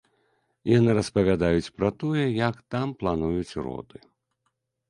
Яны распавядаюць пра тое, як там плануюць роды.